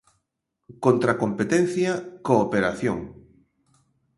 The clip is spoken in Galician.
Contra competencia, cooperación.